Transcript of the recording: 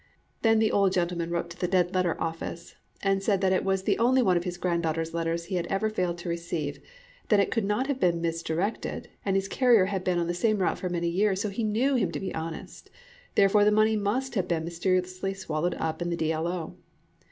Then this old gentleman wrote to the Dead letter Office, and said that it was the only one of his granddaughter's letters he had ever failed to receive; that it could not have been misdirected; and his carrier had been on the same route for many years, so he knew him to be honest; therefore the money must have been mysteriously swallowed up in the D. L. O.